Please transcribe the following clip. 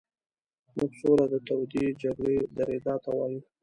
موږ سوله د تودې جګړې درېدا ته وایو.